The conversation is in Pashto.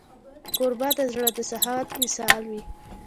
کوربه د زړه د سخاوت مثال وي.